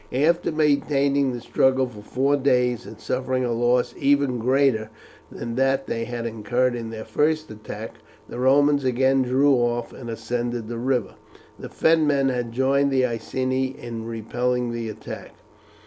After maintaining the struggle for four days, and suffering a loss even greater than that they had incurred in their first attack, the Romans again drew off and ascended the river. The Fenmen had joined the Iceni in repelling the attack.